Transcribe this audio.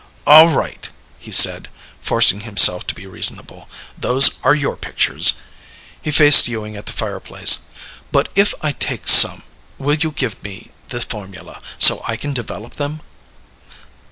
"All right," he said, forcing himself to be reasonable. "Those are your pictures." He faced Ewing at the fireplace. "But if I take some, will you give me the formula so I can develop them?"